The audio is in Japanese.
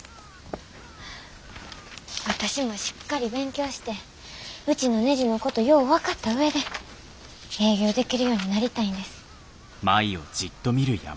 私もしっかり勉強してうちのねじのことよう分かった上で営業できるようになりたいんです。